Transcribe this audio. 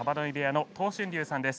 東俊隆さんです。